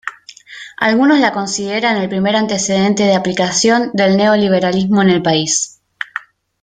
Algunos la consideran el primer antecedente de aplicación del neoliberalismo en el país.